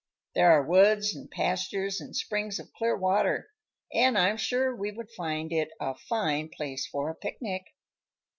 There are woods and pastures and springs of clear water, and I'm sure we would find it a fine place for a picnic."